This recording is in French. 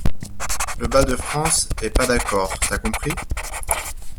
Le-Bas-de-France est pas d’accord, t’as compris?